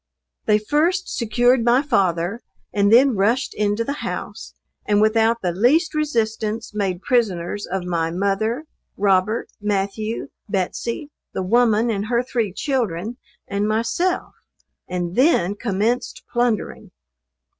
They first secured my father, and then rushed into the house, and without the least resistance made prisoners of my mother, Robert, Matthew, Betsey, the woman and her three children, and myself, and then commenced plundering.